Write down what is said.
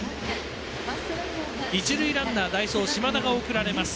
一塁ランナー代走島田が送られます。